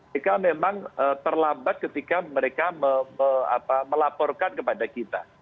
mereka memang terlambat ketika mereka melaporkan kepada kita